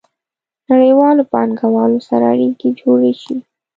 نړیوالو پانګوالو سره اړیکې جوړې شي.